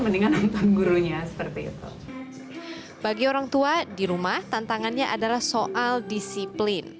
mendingan nonton gurunya seperti itu bagi orang tua di rumah tantangannya adalah soal disiplin